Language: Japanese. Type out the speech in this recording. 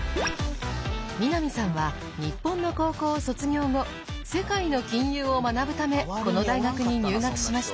南さんは日本の高校を卒業後世界の金融を学ぶためこの大学に入学しました。